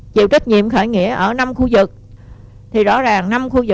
chứ là bí thơ người đông nam bộ